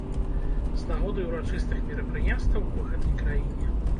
З нагоды ўрачыстых мерапрыемстваў у гэтай краіне.